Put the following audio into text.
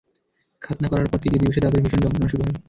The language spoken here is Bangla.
খাতনা করার পর তৃতীয় দিবসে তাদের ভীষণ যন্ত্রণা শুরু হয়।